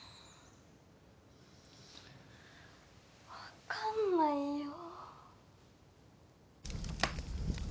分かんないよ